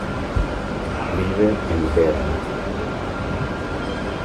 Vive en Berna.